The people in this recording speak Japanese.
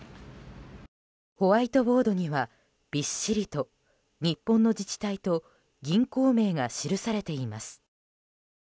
ホワイトボードにはびっしりと、日本の自治体と銀行名が記されています。